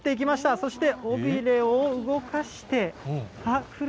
そして、尾びれを動かして、あっ、来る？